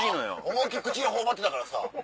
思いっ切り口に頬張ってたからさ。